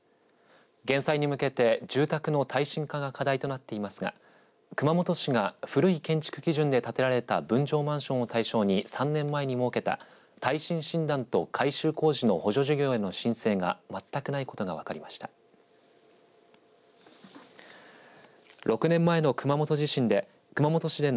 減災に向けて住宅の耐震化が課題となっていますが熊本市が古い建築基準で建てられた分譲マンションを対象に３年前に設けた耐震診断と改修工事の補助事業への申請が全くないことが分かりました。